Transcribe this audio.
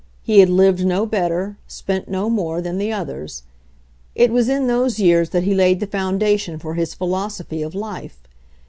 He had lived no better, spent ho more, than the others. It was in those years that he laid the founda tion for his philosophy of life.